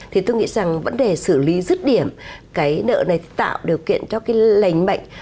thì tôi nghĩ rằng vấn đề xử lý rứt điểm cái nợ này tạo điều kiện cho cái lành mạnh